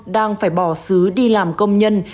đang phải bỏ xứ đi làm công nhân